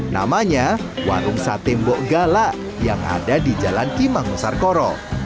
namanya warung sate mbok galak yang ada di jalan kimang nusarkoro